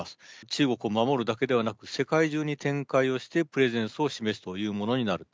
中国を守るだけではなく、世界中に展開をして、プレゼンスを示すというものになる。